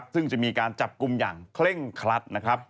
ซึ่งจะมีการจับกลุมอย่างเคร่งครัด